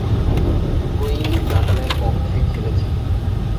উভয়েই নাটালের পক্ষে খেলেছেন।